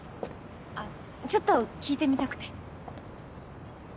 あっちょっと聞いてみたくて。